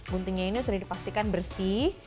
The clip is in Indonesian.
guntingnya ini sudah dipastikan bersih